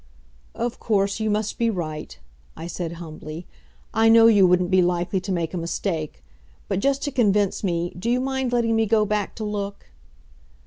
"Of course, you must be right," I said humbly. "I know you wouldn't be likely to make a mistake, but, just to convince me, do you mind letting me go back to look?"